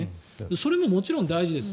それももちろん大事です。